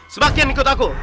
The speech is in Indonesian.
sebagian ikut aku